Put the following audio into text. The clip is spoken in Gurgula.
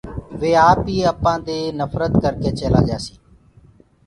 وي آپيٚ اپانٚ دي نڦرت ڪرڪي چيلآ جآسيٚ